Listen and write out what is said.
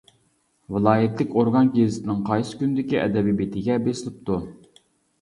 ۋىلايەتلىك ئورگان گېزىتىنىڭ قايسى كۈندىكى ئەدەبىي بېتىگە بېسىلىپتۇ.